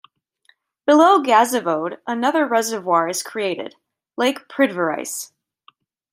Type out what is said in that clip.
Below Gazivode another reservoir is created, Lake Pridvorice.